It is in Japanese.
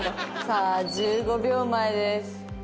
さあ１５秒前です。